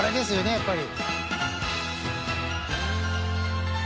やっぱり。